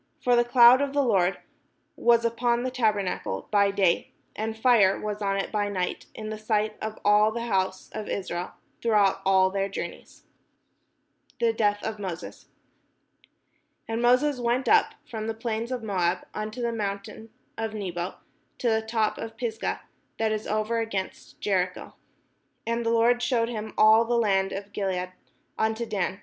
For the cloud of the Lord was 544 THE JOURNEY TO THE PROMISED LAND upon the tabernacle by day, and fire was on it by night, in the sight of all the house of Israel; throughout all their journeys. THE DEATH OF MOSES And Moses went up from the plains of Moab unto the mountain of Nebo, to the top of Pisgah, that is over against Jericho. And the Lord shewed him all the land of Gilead, unto Dan.